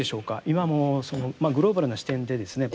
今もそのグローバルな視点でですね